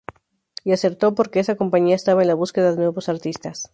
Y acertó, porque esa compañía estaba en la búsqueda de nuevos artistas.